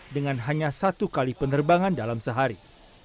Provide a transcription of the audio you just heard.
dengan hanya satu kali penerbangan dalam sehari